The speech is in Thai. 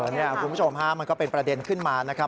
นี่คุณผู้ชมฮะมันก็เป็นประเด็นขึ้นมานะครับ